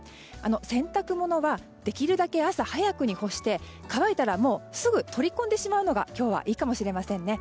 洗濯物はできるだけ朝早くに干して乾いたらすぐ取り込むのがいいかもしれませんね。